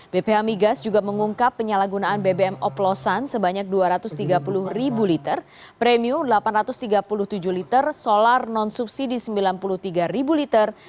bph migas juga mengungkap penyalahgunaan bbm oplosan sebanyak dua ratus tiga puluh ribu liter premium delapan ratus tiga puluh tujuh liter solar non subsidi sembilan puluh tiga liter